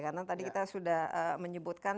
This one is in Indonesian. karena tadi kita sudah menyebutkan